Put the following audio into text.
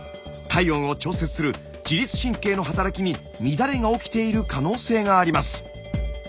体温を調節する自律神経の働きに乱れが起きている可能性があります。